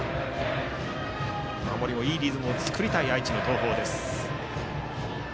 守りでいいリズムを作りたい愛知の東邦です。